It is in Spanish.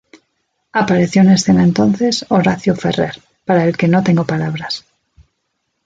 Apareció en escena, entonces, Horacio Ferrer, para el que no tengo palabras.